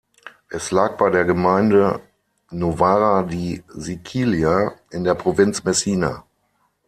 Es lag bei der Gemeinde Novara di Sicilia in der Provinz Messina.